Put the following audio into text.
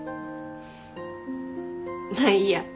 まあいいや。